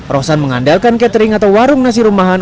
rosan mengandalkan catering atau warung nasi rumahan